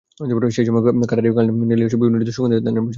সেই সময় কাটারী, কালনী, নেনিয়াসহ বিভিন্ন জাতের সুগন্ধি ধানের প্রচলন ছিল।